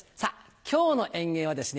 今日の演芸はですね